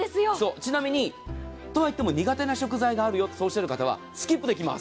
ちなみにとは言っても苦手な食材があるよとおっしゃる方はスキップできます。